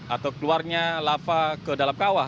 atau keluarnya lava ke dalam kawah